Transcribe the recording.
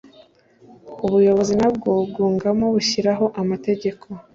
ubuyobozi na bwo bwungamo, bushyiraho amategeko